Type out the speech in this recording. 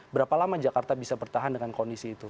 berapa lama jakarta bisa bertahan dengan kondisi itu